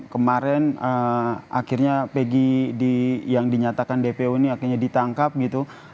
kemarin akhirnya peggy yang dinyatakan dpo ini akhirnya ditangkap gitu